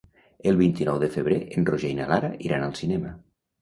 El vint-i-nou de febrer en Roger i na Lara iran al cinema.